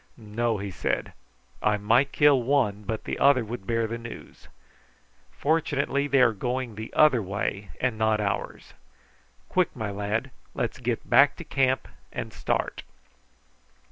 "No!" he said. "I might kill one, but the other would bear the news. Fortunately they are going the other way and not ours. Quick, my lad! let's get back to camp and start."